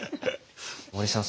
森さん